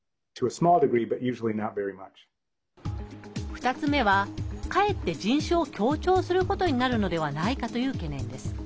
２つ目は、かえって人種を強調することになるのではないかという懸念です。